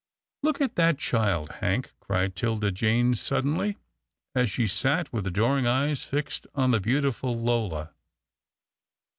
" Look at that child. Hank," cried 'Tilda Jane suddenly, as she sat with adoring eyes fixed on the beautiful Lola.